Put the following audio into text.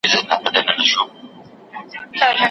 چي غوايي ته دي هم کله چل په زړه سي